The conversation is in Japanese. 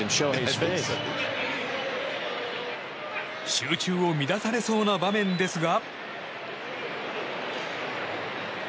集中を乱されそうな場面ですが。